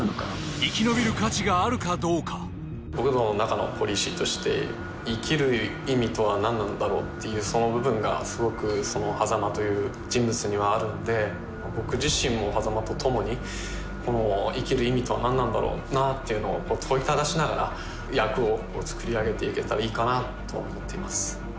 生き延びる価値があるかどうか僕の中のポリシーとして生きる意味とは何なんだろうっていうその部分がすごくその波佐間という人物にはあるんで僕自身も波佐間とともに生きる意味とは何なんだろうなあっていうのを問いただしながら役を作り上げていけたらいいかなあとは思っています